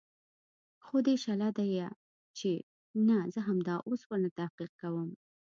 خو دى شله ديه چې نه زه همدا اوس ورنه تحقيق کوم.